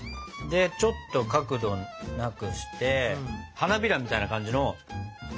でちょっと角度なくして花びらみたいな感じの。